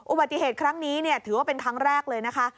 อุบัติเหตุครั้งนี้ถือว่าเป็นครั้งแรกเลยนะคะ